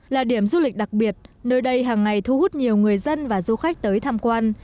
là điểm du lịch đặc biệt nơi đây hàng ngày thu hút nhiều người dân và du khách tới tham quan